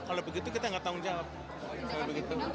kalau begitu kita tidak tahu jawab